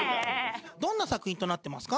どんな作品となってますか？